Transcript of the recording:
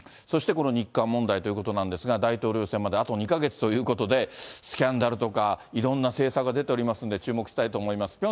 そしてこの日韓問題ということなんですが、大統領選まであと２か月ということで、スキャンダルとかいろんな政策が出ておりますんで、注目したいと思います。